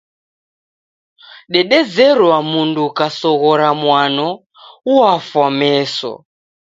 Dedezerwa mundu ukasoghora mwano uwafwa meso.